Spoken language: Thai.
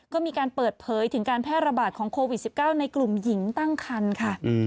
ก็มีการเปิดเผยถึงการแพร่ระบาดของโควิด๑๙ในกลุ่มหญิงตั้งคันค่ะ